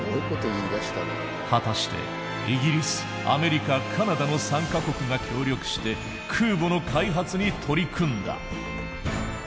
果たしてイギリスアメリカカナダの３か国が協力して空母の開発に取り組んだ。